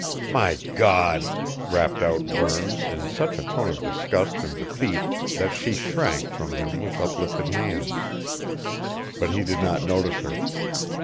"My God!" rapped out Burns in such a tone of disgust and defeat that she shrank from him with uplifted hands. But he did not notice her.